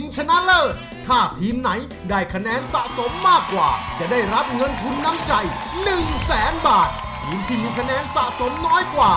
โจทย์เพลงพิเศษจำนวน๑ยก